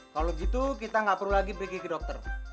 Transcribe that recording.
kalo gitu kita gak perlu lagi pergi ke dokter